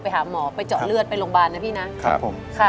ไปหาหมอไปเจาะเลือดไปโรงพิธีนะครับ